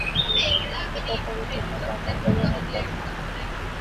এটাতো রীতিমতো আতঙ্কজনক কথা।